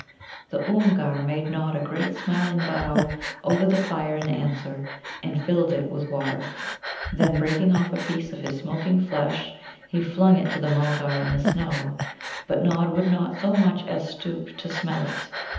The Oomgar made Nod a great smiling bow over the fire in answer, and filled it with water. Then, breaking off a piece of his smoking flesh, he flung it to the Mulgar in the snow. But Nod would not so much as stoop to smell it.